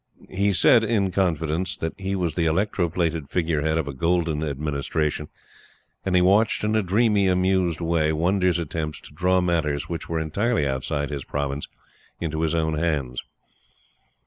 He said, in confidence, that he was the electro plated figurehead of a golden administration, and he watched in a dreamy, amused way Wonder's attempts to draw matters which were entirely outside his province into his own hands.